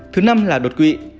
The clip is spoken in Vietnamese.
thứ năm là đột quỵ